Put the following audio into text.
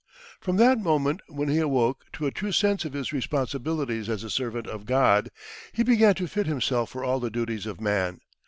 From that moment when he awoke to a true sense of his responsibilities as a servant of God, he began to fit himself for all the duties of man.